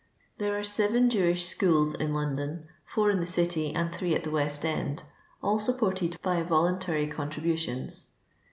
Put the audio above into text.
There are seven Jewish schools in London, four in the city, and three at the West end, all sup ported by volunLiry contributions.